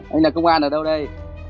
anh là công an ở đâu đây